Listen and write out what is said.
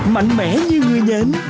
mạnh mẽ như người nhện